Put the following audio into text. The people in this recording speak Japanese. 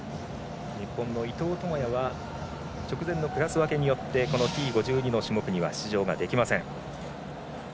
日本の伊藤智也は直前のクラス分けによってこのＴ５２の種目には出場ができません。